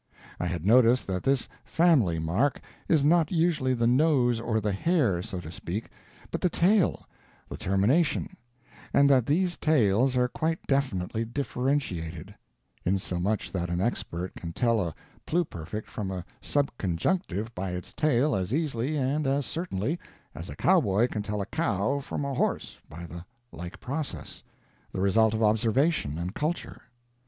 I had noticed that this family mark is not usually the nose or the hair, so to speak, but the tail the Termination and that these tails are quite definitely differentiated; insomuch that an expert can tell a Pluperfect from a Subjunctive by its tail as easily and as certainly as a cowboy can tell a cow from a horse by the like process, the result of observation and culture.